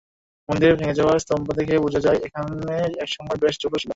মন্দিরের ভেঙে যাওয়া স্তম্ভ দেখে বোঝা যায় এখানে একসময় বেশ জৌলুশ ছিল।